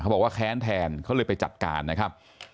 บอกว่าแค้นแทนเขาเลยไปจัดการนะครับ